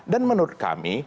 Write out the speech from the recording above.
dan menurut kami